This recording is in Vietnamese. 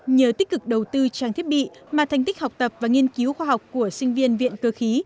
nhờ tích cực đầu tư trang thiết bị mà thành tích học tập và nghiên cứu khoa học của sinh viên viện cơ khí